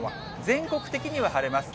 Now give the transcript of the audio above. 全国的には晴れます。